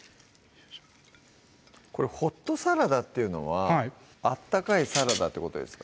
これホットサラダっていうのは温かいサラダってことですか？